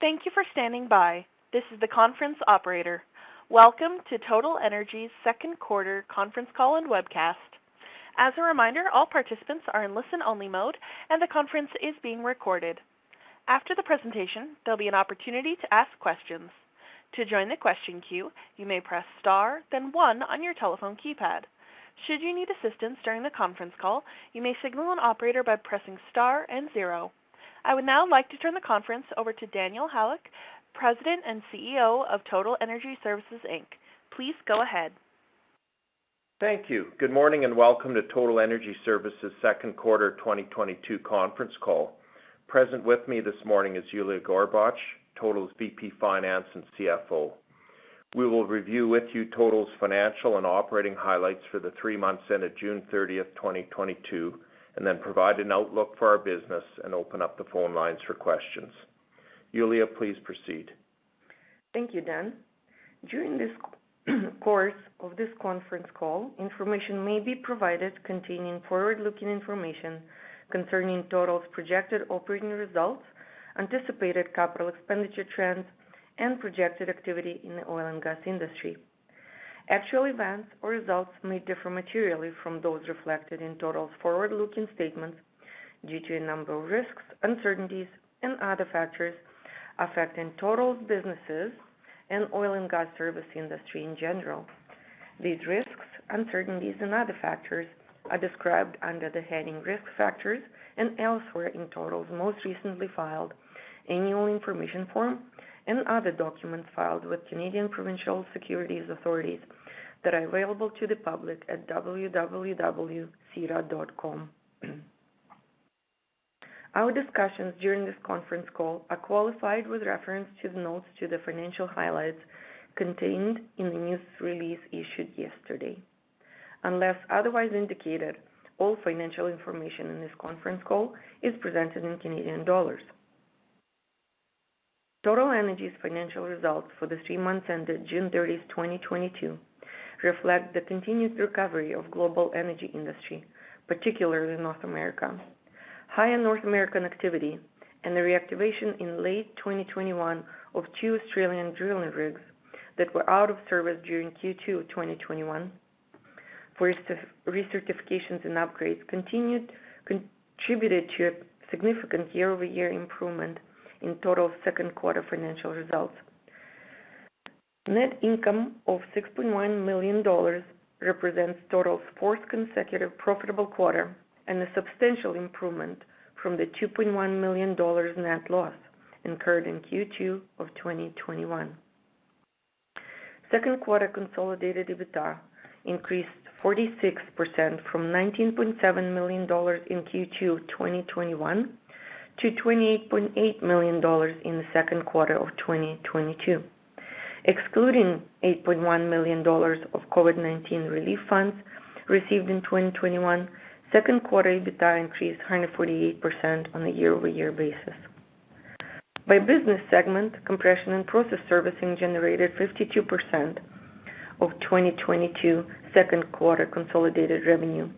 Thank you for standing by. This is the conference operator. Welcome to Total Energy's second quarter conference call and webcast. As a reminder, all participants are in listen-only mode and the conference is being recorded. After the presentation, there'll be an opportunity to ask questions. To join the question queue, you may press Star, then one on your telephone keypad. Should you need assistance during the conference call, you may signal an operator by pressing Star and zero. I would now like to turn the conference over to Daniel Halyk, President and CEO of Total Energy Services Inc. Please go ahead. Thank you. Good morning and welcome to Total Energy Services second quarter 2022 conference call. Present with me this morning is Yuliya Gorbach, Total's VP Finance and CFO. We will review with you Total's financial and operating highlights for the three months ended June 30, 2022, and then provide an outlook for our business and open up the phone lines for questions. Yuliya, please proceed. Thank you, Dan. During the course of this conference call, information may be provided containing forward-looking information concerning Total's projected operating results, anticipated capital expenditure trends, and projected activity in the oil and gas industry. Actual events or results may differ materially from those reflected in Total's forward-looking statements due to a number of risks, uncertainties and other factors affecting Total's businesses and oil and gas services industry in general. These risks, uncertainties, and other factors are described under the heading Risk Factors and elsewhere in Total's most recently filed annual information form and other documents filed with Canadian provincial securities authorities that are available to the public at www.sedar.com. Our discussions during this conference call are qualified with reference to the notes to the financial highlights contained in the news release issued yesterday. Unless otherwise indicated, all financial information in this conference call is presented in Canadian dollars. Total Energy's financial results for the three months ended June 30, 2022 reflect the continued recovery of global energy industry, particularly in North America. Higher North American activity and the reactivation in late 2021 of two Australian drilling rigs that were out of service during Q2 2021 for its recertifications and upgrades contributed to a significant year-over-year improvement in Total second quarter financial results. Net income of 6.1 million dollars represents Total's fourth consecutive profitable quarter and a substantial improvement from the 2.1 million dollars net loss incurred in Q2 of 2021. Second quarter consolidated EBITDA increased 46% from 19.7 million dollars in Q2 2021 to 28.8 million dollars in the second quarter of 2022. Excluding 8.1 million dollars of COVID-19 relief funds received in 2021, second quarter EBITDA increased 148% on a year-over-year basis. By business segment, Compression and Process Services generated 52% of 2022 second quarter consolidated revenue,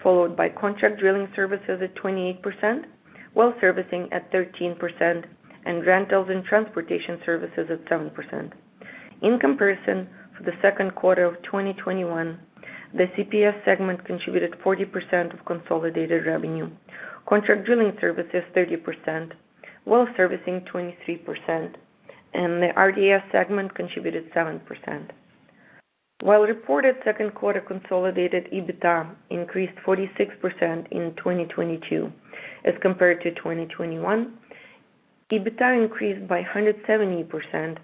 followed by Contract Drilling Services at 28%, Well Servicing at 13%, and Rentals and Transportation Services at 7%. In comparison, for the second quarter of 2021, the CPS segment contributed 40% of consolidated revenue, Contract Drilling Services 30%, Well Servicing 23%, and the RDS segment contributed 7%. While reported second quarter consolidated EBITDA increased 46% in 2022 as compared to 2021, EBITDA increased by 170%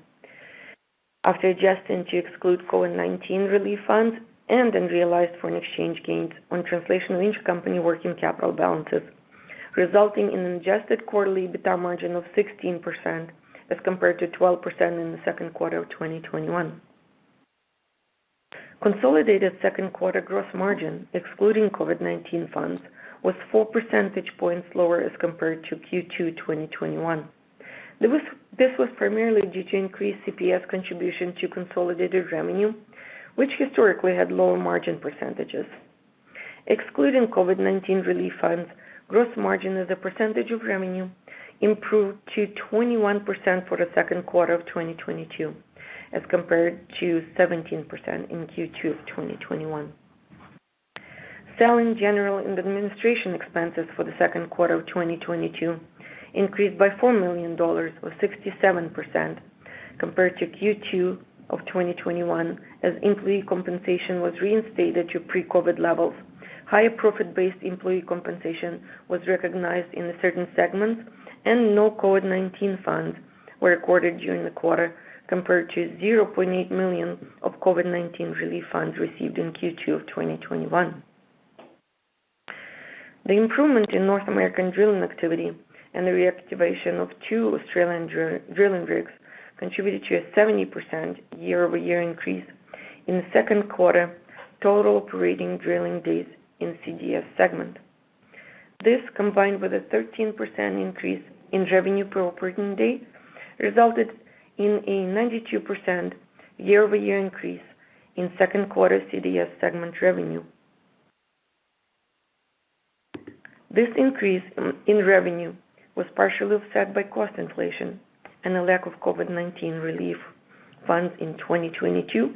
after adjusting to exclude COVID-19 relief funds and unrealized foreign exchange gains on translation of intercompany working capital balances, resulting in an adjusted quarterly EBITDA margin of 16% as compared to 12% in the second quarter of 2021. Consolidated second quarter gross margin, excluding COVID-19 funds, was four percentage points lower as compared to Q2 2021. This was primarily due to increased CPS contribution to consolidated revenue, which historically had lower margin percentages. Excluding COVID-19 relief funds, gross margin as a percentage of revenue improved to 21% for the second quarter of 2022, as compared to 17% in Q2 of 2021. Selling, general, and administrative expenses for the second quarter of 2022 increased by CAD 4 million or 67% compared to Q2 of 2021 as employee compensation was reinstated to pre-COVID levels. Higher profit-based employee compensation was recognized in certain segments and no COVID-19 funds were recorded during the quarter, compared to 0.8 million of COVID-19 relief funds received in Q2 of 2021. The improvement in North American drilling activity and the reactivation of two Australian drilling rigs contributed to a 70% year-over-year increase in the second quarter total operating drilling days in CDS segment. This, combined with a 13% increase in revenue per operating day, resulted in a 92% year-over-year increase in second quarter CDS segment revenue. This increase in revenue was partially offset by cost inflation and a lack of COVID-19 relief funds in 2022,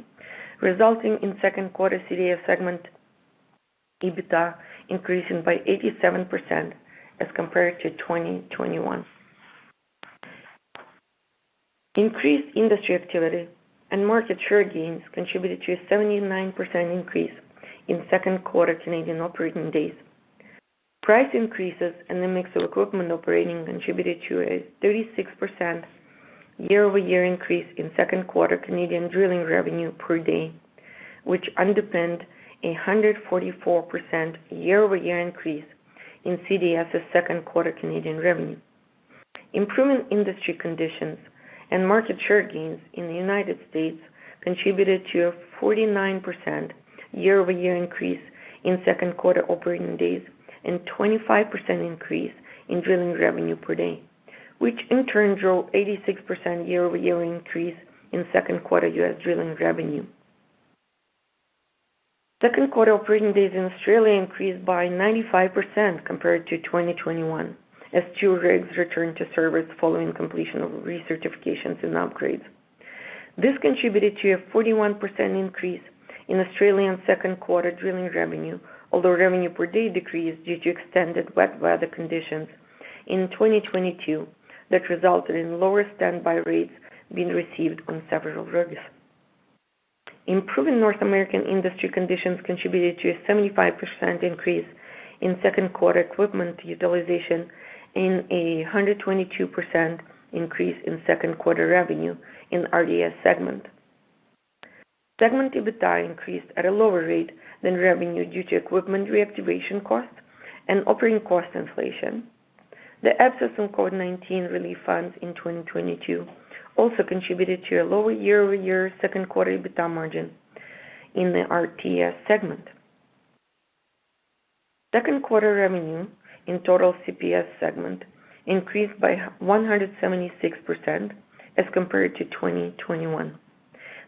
resulting in second quarter CDS segment EBITDA increasing by 87% as compared to 2021. Increased industry activity and market share gains contributed to a 79% increase in second quarter Canadian operating days. Price increases and the mix of equipment operating contributed to a 36% year-over-year increase in second quarter Canadian drilling revenue per day, which underpinned a 144% year-over-year increase in CDS's second quarter Canadian revenue. Improving industry conditions and market share gains in the United States contributed to a 49% year-over-year increase in second quarter operating days and 25% increase in drilling revenue per day, which in turn drove 86% year-over-year increase in second quarter U.S. Drilling evenue. Second quarter operating days in Australia increased by 95% compared to 2021 as two rigs returned to service following completion of recertifications and upgrades. This contributed to a 41% increase in Australian second quarter drilling revenue, although revenue per day decreased due to extended wet weather conditions in 2022 that resulted in lower standby rates being received on several rigs. Improving North American industry conditions contributed to a 75% increase in second quarter equipment utilization and a 122% increase in second quarter revenue in the RDS segment. Segment EBITDA increased at a lower rate than revenue due to equipment reactivation costs and operating cost inflation. The absence of COVID-19 relief funds in 2022 also contributed to a lower year-over-year second quarter EBITDA margin in the RTS segment. Second quarter revenue in total CPS segment increased by 176% as compared to 2021.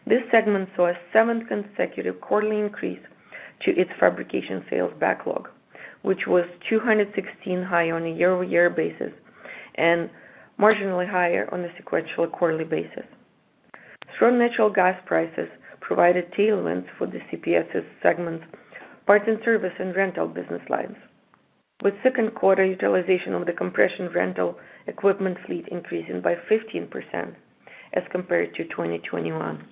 This segment saw a seventh consecutive quarterly increase to its fabrication sales backlog, which was 216% higher on a year-over-year basis and marginally higher on a sequential quarterly basis. Strong natural gas prices provided tailwinds for the CPS's segment parts and service and rental business lines, with second quarter utilization of the compression rental equipment fleet increasing by 15% as compared to 2021.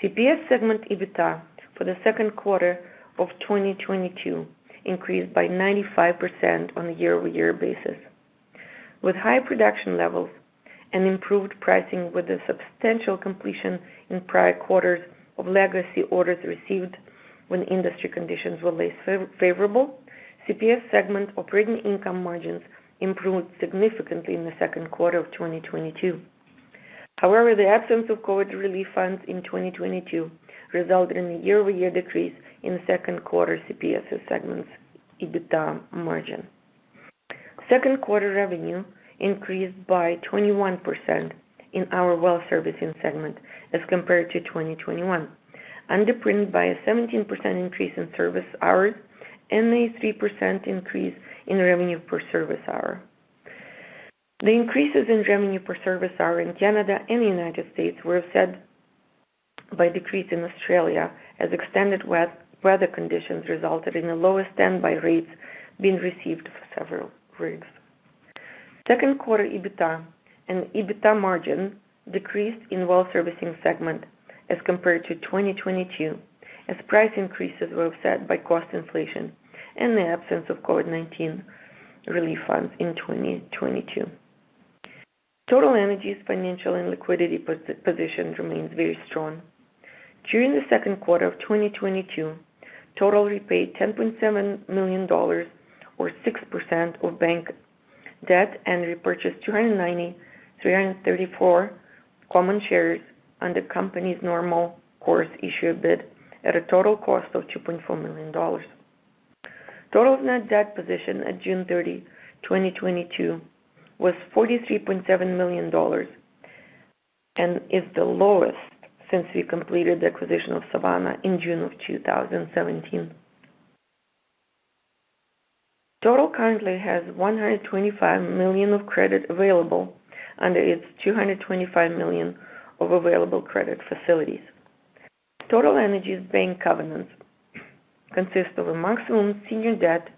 CPS segment EBITDA for the second quarter of 2022 increased by 95% on a year-over-year basis. With high production levels and improved pricing with a substantial completion in prior quarters of legacy orders received when industry conditions were less favorable, CPS segment operating income margins improved significantly in the second quarter of 2022. However, the absence of COVID relief funds in 2022 resulted in a year-over-year decrease in second quarter CPS's segment's EBITDA margin. Second quarter revenue increased by 21% in our well servicing segment as compared to 2021, underpinned by a 17% increase in service hours and a 3% increase in revenue per service hour. The increases in revenue per service hour in Canada and the United States were offset by decrease in Australia as extended wet weather conditions resulted in a lower standby rates being received for several rigs. Second quarter EBITDA and EBITDA margin decreased in well servicing segment as compared to 2022 as price increases were offset by cost inflation and the absence of COVID-19 relief funds in 2022. Total Energy's financial and liquidity position remains very strong. During the second quarter of 2022, Total repaid 10.7 million dollars or 6% of bank debt and repurchased 293,034 common shares under company's normal course issuer bid at a total cost of 2.4 million dollars. Total's net debt position at June 30, 2022 was 43.7 million dollars and is the lowest since we completed the acquisition of Savanna in June of 2017. Total currently has 125 million of credit available under its 225 million of available credit facilities. Total Energy's bank covenants consist of a maximum senior debt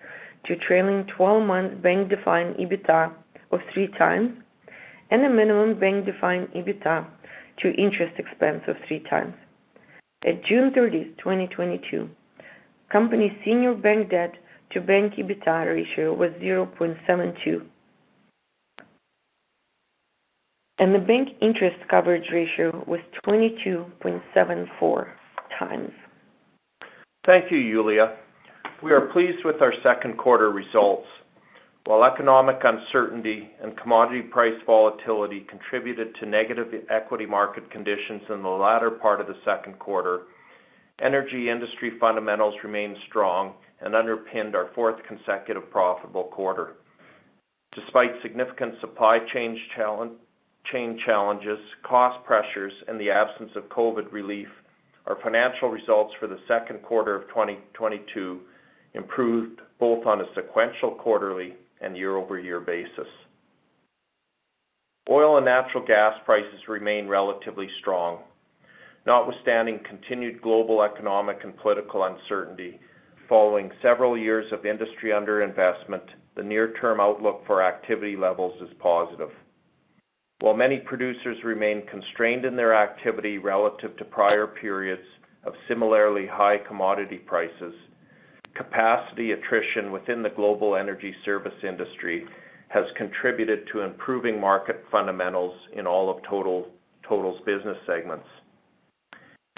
to trailing twelve-month bank-defined EBITDA of three times and a minimum bank-defined EBITDA to interest expense of three times. At June 30, 2022, company's senior bank debt to bank EBITDA ratio was 0.72, and the bank interest coverage ratio was 22.74 times. Thank you, Yuliya. We are pleased with our second quarter results. While economic uncertainty and commodity price volatility contributed to negative equity market conditions in the latter part of the second quarter, energy industry fundamentals remained strong and underpinned our fourth consecutive profitable quarter. Despite significant supply chain challenges, cost pressures, and the absence of COVID relief, our financial results for the second quarter of 2022 improved both on a sequential quarterly and year-over-year basis. Oil and natural gas prices remain relatively strong. Notwithstanding continued global economic and political uncertainty, following several years of industry underinvestment, the near-term outlook for activity levels is positive. While many producers remain constrained in their activity relative to prior periods of similarly high commodity prices, capacity attrition within the global energy service industry has contributed to improving market fundamentals in all of Total's business segments.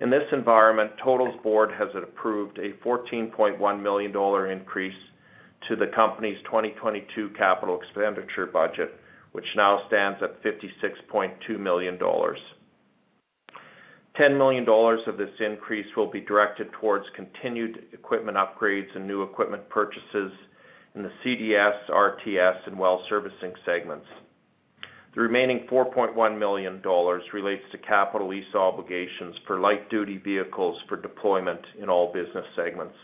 In this environment, Total's board has approved a 14.1 million dollar increase to the company's 2022 capital expenditure budget, which now stands at 56.2 million dollars. 10 million dollars of this increase will be directed towards continued equipment upgrades and new equipment purchases in the CDS, RTS, and Well Servicing segments. The remaining 4.1 million dollars relates to capital lease obligations for light-duty vehicles for deployment in all business segments.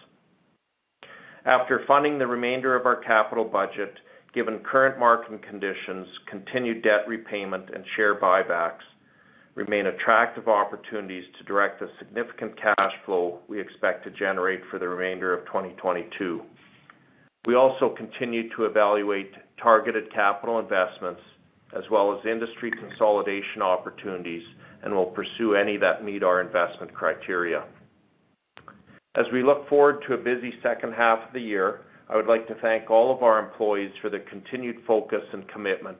After funding the remainder of our capital budget, given current market conditions, continued debt repayment and share buybacks remain attractive opportunities to direct the significant cash flow we expect to generate for the remainder of 2022. We also continue to evaluate targeted capital investments as well as industry consolidation opportunities, and we'll pursue any that meet our investment criteria. As we look forward to a busy second half of the year, I would like to thank all of our employees for their continued focus and commitment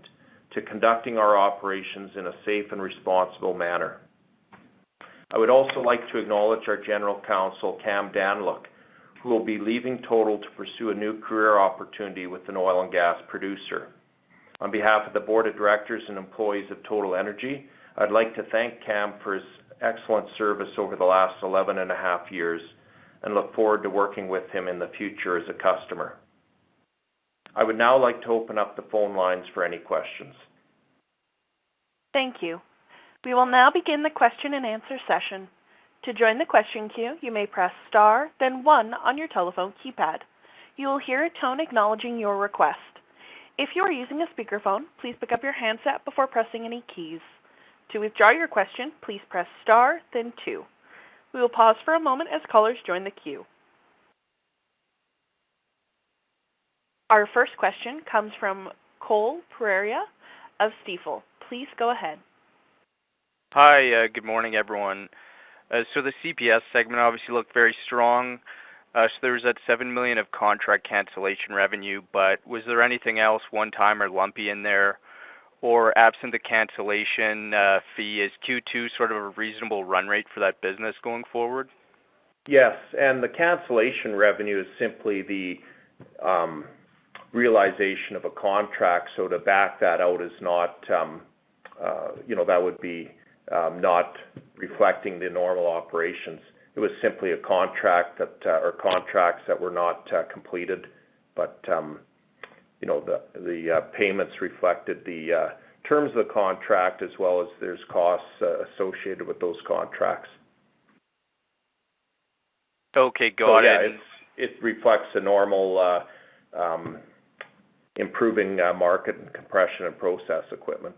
to conducting our operations in a safe and responsible manner. I would also like to acknowledge our General Counsel, Cam Danyluck, who will be leaving Total to pursue a new career opportunity with an oil and gas producer. On behalf of the Board of Directors and employees of Total Energy, I'd like to thank Cam for his excellent service over the last eleven and a half years and look forward to working with him in the future as a customer. I would now like to open up the phone lines for any questions. Thank you. We will now begin the question-and-answer session. To join the question queue, you may press star, then one on your telephone keypad. You will hear a tone acknowledging your request. If you are using a speakerphone, please pick up your handset before pressing any keys. To withdraw your question, please press star, then two. We will pause for a moment as callers join the queue. Our first question comes from Cole Pereira of Stifel. Please go ahead. Hi. Good morning, everyone. The CPS segment obviously looked very strong. There was that 7 million of contract cancellation revenue, but was there anything else one-time or lumpy in there? Or absent the cancellation fee, is Q2 sort of a reasonable run rate for that business going forward? Yes. The cancellation revenue is simply the realization of a contract. To back that out is not, you know, that would be not reflecting the normal operations. It was simply a contract that or contracts that were not completed. You know, the payments reflected the terms of the contract as well as there's costs associated with those contracts. Okay. Got it. Yeah, it reflects a normal, improving market in compression and process equipment.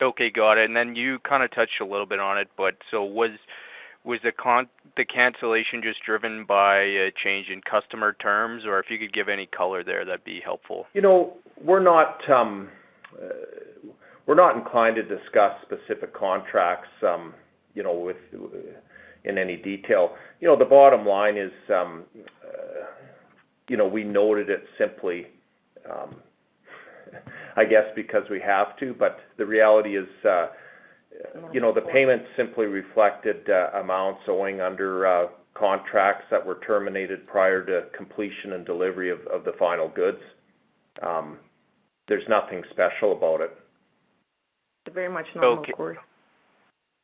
Okay. Got it. You kinda touched a little bit on it, but so was the cancellation just driven by a change in customer terms, or if you could give any color there, that'd be helpful? You know, we're not inclined to discuss specific contracts in any detail. You know, the bottom line is, you know, we noted it simply, I guess, because we have to, but the reality is, you know, the payments simply reflected amounts owing under contracts that were terminated prior to completion and delivery of the final goods. There's nothing special about it. Very much normal, Cole.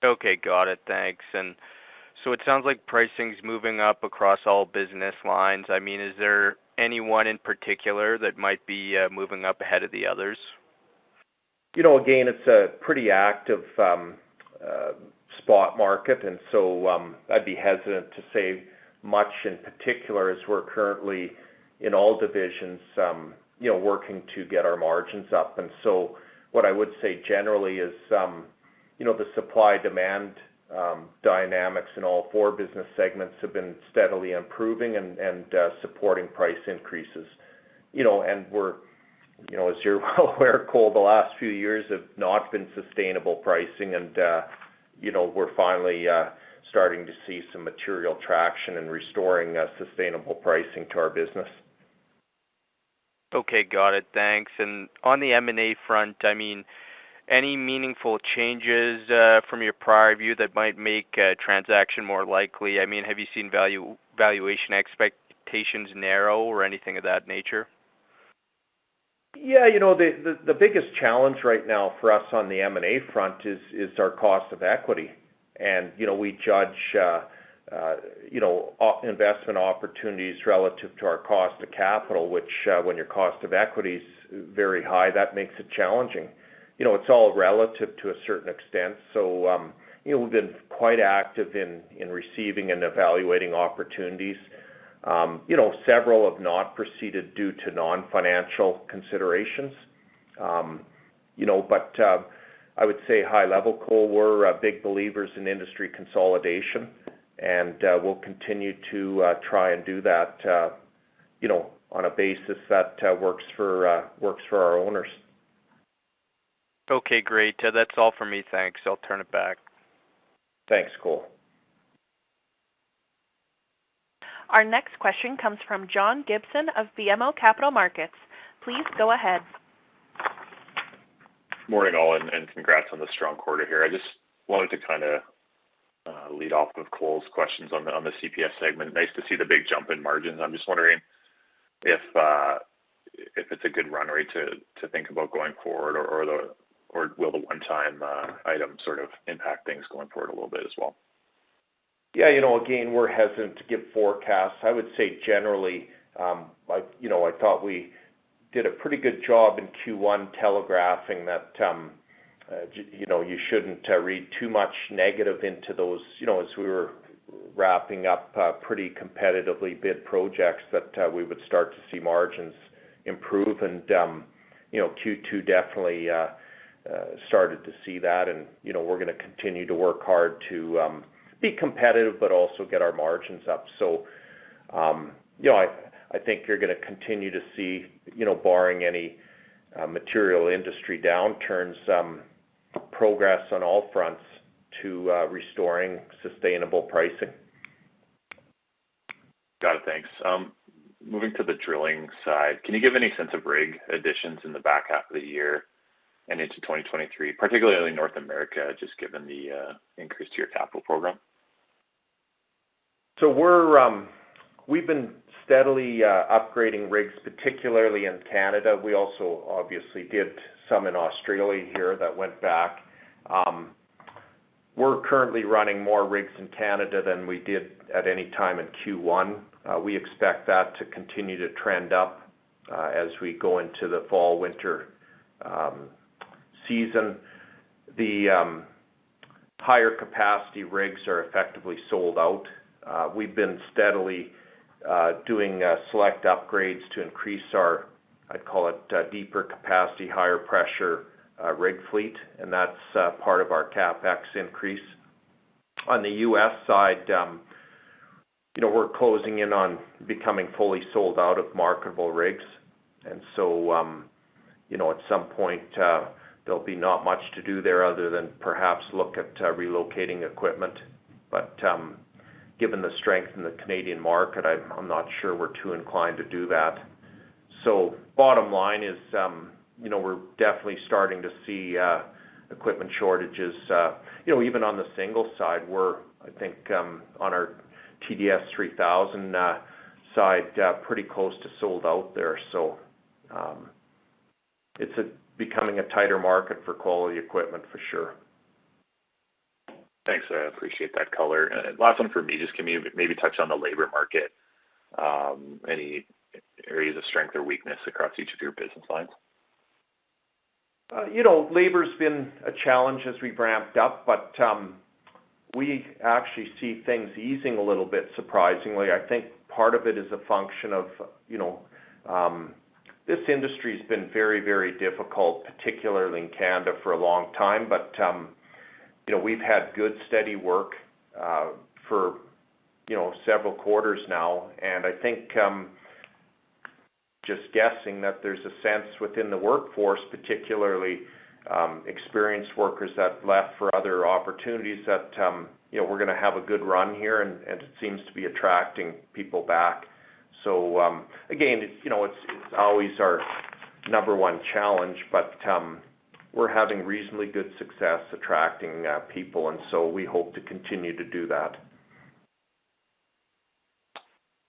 Okay. Got it. Thanks. It sounds like pricing's moving up across all business lines. I mean, is there anyone in particular that might be moving up ahead of the others? You know, again, it's a pretty active spot market, and so I'd be hesitant to say much in particular as we're currently in all divisions, you know, working to get our margins up. What I would say generally is, you know, the supply-demand dynamics in all four business segments have been steadily improving and supporting price increases. You know, we're, you know, as you're well aware, Cole, the last few years have not been sustainable pricing, and you know, we're finally starting to see some material traction in restoring sustainable pricing to our business. Okay. Got it. Thanks. On the M&A front, I mean, any meaningful changes from your prior view that might make a transaction more likely? I mean, have you seen valuation expectations narrow or anything of that nature? Yeah. You know, the biggest challenge right now for us on the M&A front is our cost of equity. You know, we judge our investment opportunities relative to our cost of capital, which, when your cost of equity is very high, that makes it challenging. You know, it's all relative to a certain extent. You know, we've been quite active in receiving and evaluating opportunities. You know, several have not proceeded due to non-financial considerations. You know, but I would say high level, Cole, we're big believers in industry consolidation, and we'll continue to try and do that, you know, on a basis that works for our owners. Okay, great. That's all for me. Thanks. I'll turn it back. Thanks, Cole. Our next question comes from John Gibson of BMO Capital Markets. Please go ahead. Morning, all, congrats on the strong quarter here. I just wanted to kinda lead off with Cole's questions on the CPS segment. Nice to see the big jump in margins. I'm just wondering if it's a good run rate to think about going forward or will the one-time item sort of impact things going forward a little bit as well? Yeah. You know, again, we're hesitant to give forecasts. I would say generally, you know, I thought we did a pretty good job in Q1 telegraphing that, you know, you shouldn't read too much negative into those, you know, as we were wrapping up pretty competitively bid projects that we would start to see margins improve. You know, Q2 definitely started to see that and, you know, we're gonna continue to work hard to be competitive but also get our margins up. You know, I think you're gonna continue to see, you know, barring any material industry downturns, progress on all fronts to restoring sustainable pricing. Got it. Thanks. Moving to the drilling side, can you give any sense of rig additions in the back half of the year and into 2023, particularly North America, just given the increase to your capital program? We've been steadily upgrading rigs, particularly in Canada. We also obviously did some in Australia here that went back. We're currently running more rigs in Canada than we did at any time in Q1. We expect that to continue to trend up as we go into the fall, winter season. The higher capacity rigs are effectively sold out. We've been steadily doing select upgrades to increase our, I'd call it, deeper capacity, higher pressure rig fleet, and that's part of our CapEx increase. On the U.S. side, you know, we're closing in on becoming fully sold out of marketable rigs. You know, at some point, there'll be not much to do there other than perhaps look at relocating equipment. given the strength in the Canadian market, I'm not sure we're too inclined to do that. Bottom line is, you know, we're definitely starting to see equipment shortages. You know, even on the single side, we're, I think, on our TDS 3000 side, pretty close to sold out there. It's becoming a tighter market for quality equipment for sure. Thanks. I appreciate that color. Last one for me, just can you maybe touch on the labor market? Any areas of strength or weakness across each of your business lines? You know, labor's been a challenge as we've ramped up, but we actually see things easing a little bit, surprisingly. I think part of it is a function of, you know, this industry has been very, very difficult, particularly in Canada for a long time. You know, we've had good steady work for you know, several quarters now. I think just guessing that there's a sense within the workforce, particularly experienced workers that left for other opportunities that you know, we're gonna have a good run here and it seems to be attracting people back. Again, you know, it's always our number one challenge, but we're having reasonably good success attracting people, and so we hope to continue to do that.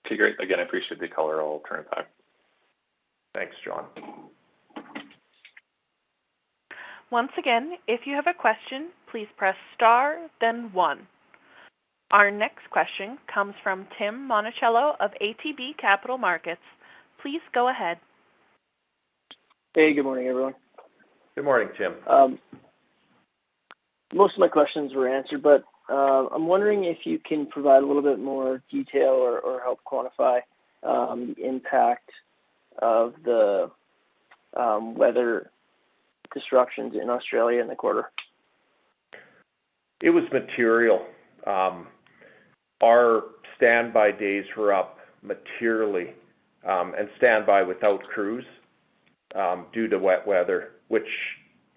Okay, great. Again, I appreciate the color. I'll turn it back. Thanks, John. Once again, if you have a question, please press star then one. Our next question comes from Tim Monachello of ATB Capital Markets. Please go ahead. Hey, good morning, everyone. Good morning, Tim. Most of my questions were answered, but I'm wondering if you can provide a little bit more detail or help quantify the impact of the weather disruptions in Australia in the quarter. It was material. Our standby days were up materially, and standby without crews, due to wet weather, which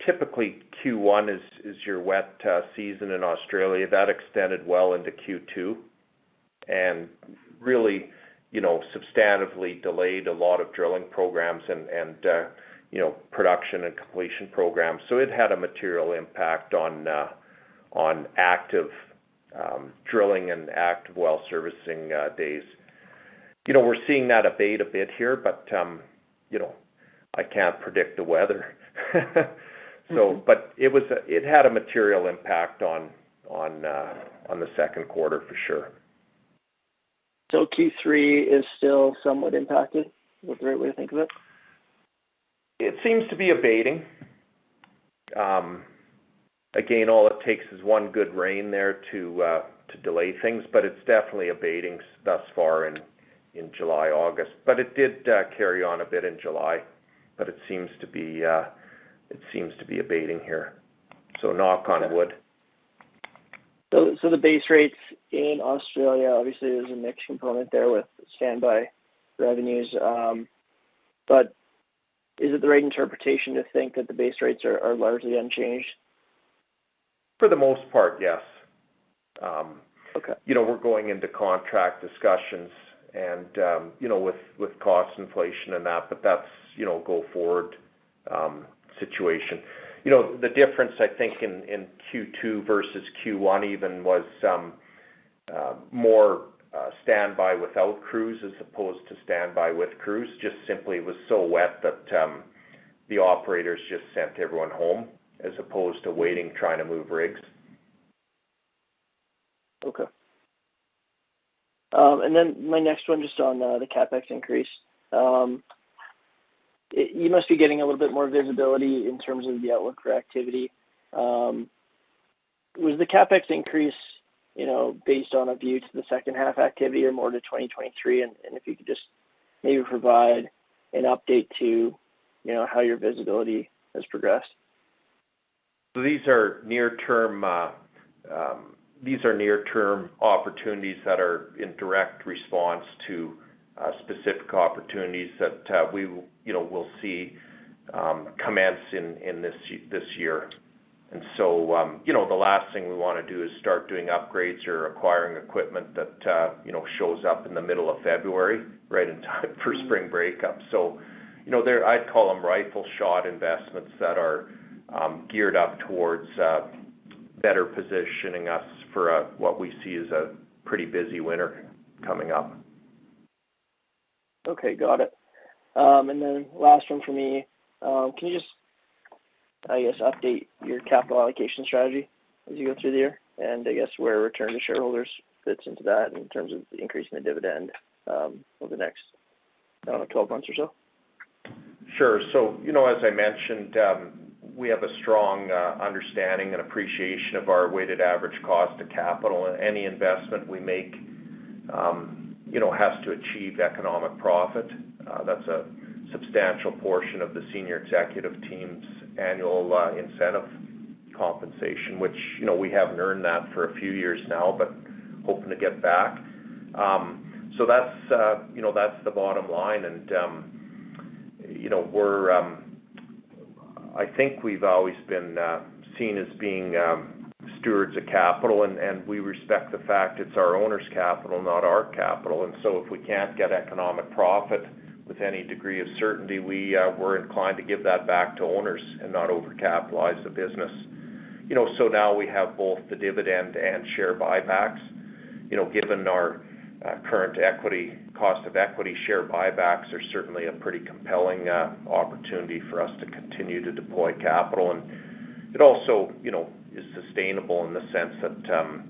typically Q1 is your wet season in Australia. That extended well into Q2 and really, you know, substantively delayed a lot of drilling programs and you know, production and completion programs. It had a material impact on active drilling and active well servicing days. You know, we're seeing that abate a bit here, but you know, I can't predict the weather. It had a material impact on the second quarter for sure. Q3 is still somewhat impacted. Is that the right way to think of it? It seems to be abating. Again, all it takes is one good rain there to delay things, but it's definitely abating thus far in July, August. It did carry on a bit in July. It seems to be abating here. Knock on wood. The base rates in Australia, obviously, there's a mix component there with standby revenues. Is it the right interpretation to think that the base rates are largely unchanged? For the most part, yes. Okay. You know, we're going into contract discussions and, you know, with cost inflation and that, but that's, you know, go forward situation. You know, the difference I think in Q2 versus Q1 even was more standby without crews as opposed to standby with crews. Just simply it was so wet that the operators just sent everyone home as opposed to waiting, trying to move rigs. Okay. My next one just on the CapEx increase. You must be getting a little bit more visibility in terms of the outlook for activity. Was the CapEx increase, you know, based on a view to the second half activity or more to 2023? If you could just maybe provide an update to, you know, how your visibility has progressed. These are near-term opportunities that are in direct response to specific opportunities that you know, we'll see commence in this year. You know, the last thing we wanna do is start doing upgrades or acquiring equipment that you know, shows up in the middle of February right in time for spring breakup. You know, they're rifle shot investments that are geared up towards better positioning us for what we see as a pretty busy winter coming up. I'd call them. Okay, got it. Last one for me. Can you just, I guess, update your capital allocation strategy as you go through the year and I guess where return to shareholders fits into that in terms of increasing the dividend, over the next, I don't know, 12 months or so? Sure. You know, as I mentioned, we have a strong understanding and appreciation of our weighted average cost of capital. Any investment we make, you know, has to achieve economic profit. That's a substantial portion of the senior executive team's annual incentive compensation, which, you know, we haven't earned that for a few years now, but hoping to get back. That's, you know, that's the bottom line. You know, I think we've always been seen as being stewards of capital and we respect the fact it's our owners' capital, not our capital. If we can't get economic profit with any degree of certainty, we're inclined to give that back to owners and not over-capitalize the business. You know, now we have both the dividend and share buybacks. You know, given our current equity, cost of equity share buybacks are certainly a pretty compelling opportunity for us to continue to deploy capital. It also, you know, is sustainable in the sense that,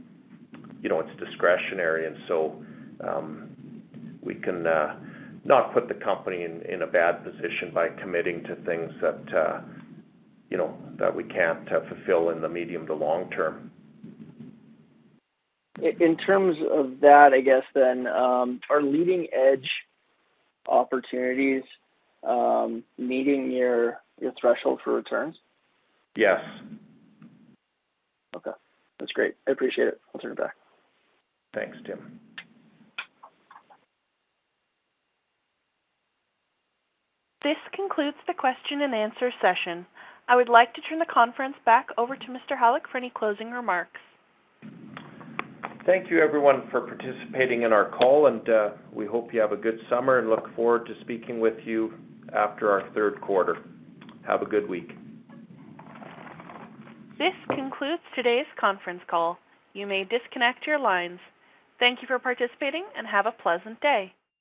you know, it's discretionary. We can not put the company in a bad position by committing to things that, you know, that we can't fulfill in the medium to long term. In terms of that, I guess then, are leading edge opportunities meeting your threshold for returns? Yes. Okay. That's great. I appreciate it. I'll turn it back. Thanks, Tim. This concludes the question and answer session. I would like to turn the conference back over to Mr. Halyk for any closing remarks. Thank you everyone for participating in our call, and, we hope you have a good summer and look forward to speaking with you after our third quarter. Have a good week. This concludes today's conference call. You may disconnect your lines. Thank you for participating, and have a pleasant day.